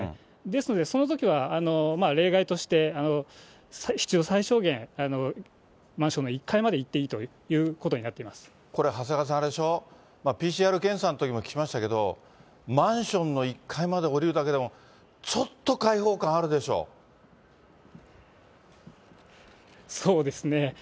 ですのでそのときは例外として、必要最小限、マンションの１階まで行っていいということになってこれ、長谷川さん、あれでしょ、ＰＣＲ検査のときも聞きましたけど、マンションの１階まで下りるだけでも、ちょっと開放感あるでしょそうですね。